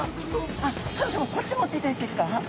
あっ香音さまこっち持っていただいていいですか？